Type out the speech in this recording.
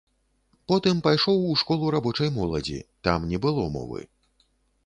Потым пайшоў у школу рабочай моладзі, там не было мовы.